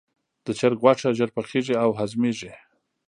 د چرګ غوښه ژر پخیږي او هضمېږي.